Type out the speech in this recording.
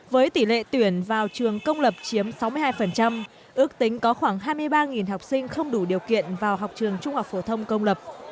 với tỷ lệ tuyển vào trường công lập chiếm sáu mươi hai ước tính có khoảng hai mươi ba học sinh không đủ điều kiện vào học trường trung học phổ thông công lập